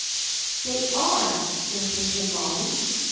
" They are," insisted Molly.